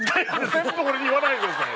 全部俺に言わないでください！